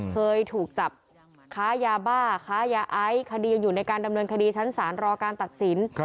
เคยถูกจับค้ายาบ้าค้ายาไอคดียังอยู่ในการดำเนินคดีชั้นศาลรอการตัดสิน